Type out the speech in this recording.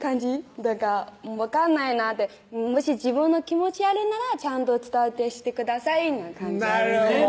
なんか分かんないなってもし自分の気持ちあるならちゃんと伝えてしてくださいな感じです